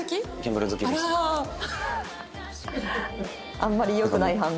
あんまり良くない反応。